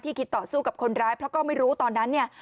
คิดต่อสู้กับคนร้ายเพราะก็ไม่รู้ตอนนั้นเนี่ย